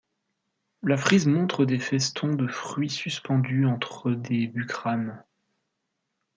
La frise montre des festons de fruits suspendus entre des bucranes.